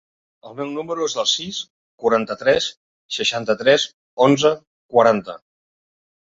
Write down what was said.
El meu número es el sis, quaranta-tres, seixanta-tres, onze, quaranta.